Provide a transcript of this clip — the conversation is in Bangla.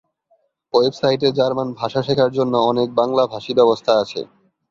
ওয়েবসাইটে জার্মান ভাষা শেখার জন্য অনেক বাংলাভাষী ব্যবস্থা আছে।